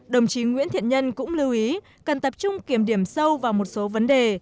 đồng chí nguyễn thiện nhân cũng lưu ý cần tập trung kiểm điểm sâu vào một số vấn đề